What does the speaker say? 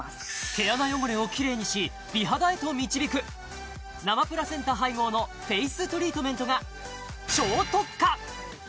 毛穴汚れをキレイにし美肌へと導く生プラセンタ配合のフェイストリートメントが超特価！